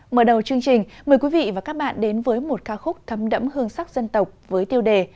mở đầu chương trình mời quý vị và các bạn đến với một ca khúc thấm đẫm hương sắc dân tộc với tiêu đề